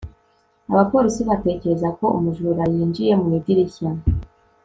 abapolisi batekereza ko umujura yinjiye mu idirishya